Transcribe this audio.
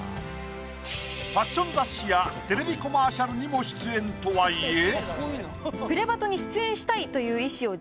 ファッション雑誌やテレビコマーシャルにも出演とはいえ。